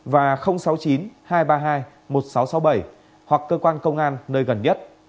và sáu mươi chín hai trăm ba mươi hai một nghìn sáu trăm sáu mươi bảy hoặc cơ quan công an nơi gần nhất